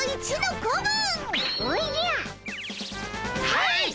はい！